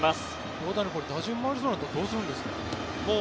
大谷打順回りそうになったらどうするんだろう。